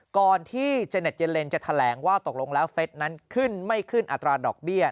ก่อนที่เจเน็ตเยเลนจะแถลงว่าตกลงแล้วเฟสนั้นขึ้นไม่ขึ้นอัตราดอกเบี้ย